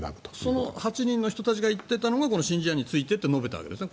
その８人の人たちが言っていたのがこの新人事案についてということを述べたわけですね。